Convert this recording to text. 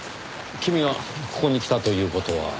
君がここに来たという事は。